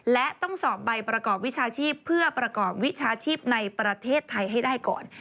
และต้องสอบใบประกอบวิชาชีพเพื่อประกอบวิชาชีพในประเทศไทยให้ได้ก่อน